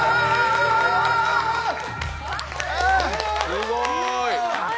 すごーい！